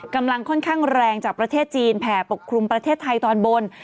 กำลังค่อนข้างแรงจากประเทศจีนแผ่ปกครุมประเทศไทยตอนบน